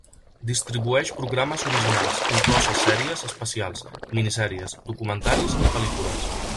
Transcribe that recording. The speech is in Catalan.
Distribueix programes originals, incloses sèries, especials, minisèries, documentaris i pel·lícules.